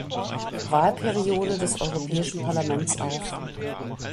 Wahlperiode des Europäischen Parlaments auf.